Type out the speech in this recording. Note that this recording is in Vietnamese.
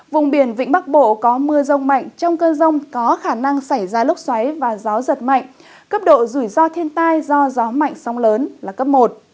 vùng biển vĩnh bắc bộ có mưa rông mạnh trong cơn rông có khả năng xảy ra lốc xoáy và gió giật mạnh cấp độ rủi ro thiên tai do gió mạnh sông lớn là cấp một